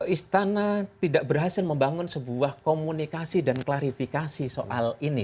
istana tidak berhasil membangun sebuah komunikasi dan klarifikasi soal ini